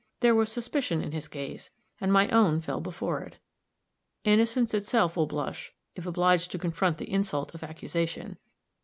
There was suspicion in his gaze, and my own fell before it. Innocence itself will blush if obliged to confront the insult of accusation.